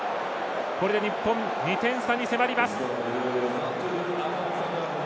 これで日本、２点差に迫ります。